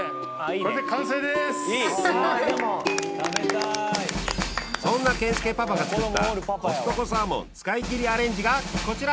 これでそんな健介パパが作ったコストコサーモン使い切りアレンジがこちら！